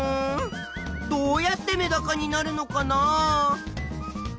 どうやってメダカになるのかな？